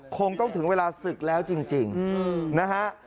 คงต้องถึงเวลาศึกแล้วจริงนะฮะ